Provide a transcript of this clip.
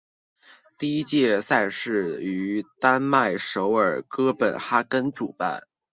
第一届赛事于丹麦首都哥本哈根主办。